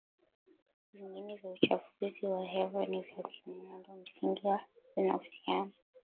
vingi vya uchafuzi wa hewa ni vya kimuundo msingi na vinahusiana